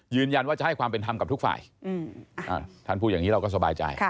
ยืนยันว่าจะให้ความเป็นธรรมกับทุกฝ่ายท่านพูดอย่างนี้เราก็สบายใจ